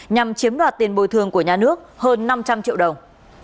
nhằm chiếm đoạt tiền bồi thường của nhà nước hơn năm trăm linh triệu đồng